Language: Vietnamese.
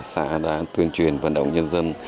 xã đã tuyên truyền vận động nhân dân